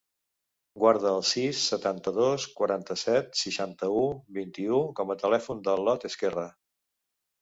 Guarda el sis, setanta-dos, quaranta-set, seixanta-u, vint-i-u com a telèfon de l'Ot Ezquerra.